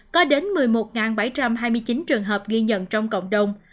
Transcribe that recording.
có đến một mươi một bảy trăm hai mươi chín trường hợp ghi nhận trong cộng đồng